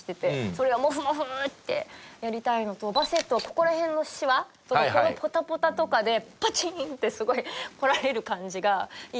それをもふもふってやりたいのとバセットはここら辺のしわとかこのポタポタとかでパチーンってすごいこられる感じがいいなって。